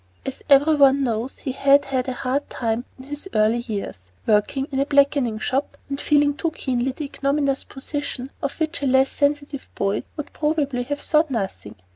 As every one knows, he had had a hard time in his early years, working in a blacking shop, and feeling too keenly the ignominious position of which a less sensitive boy would probably have thought nothing.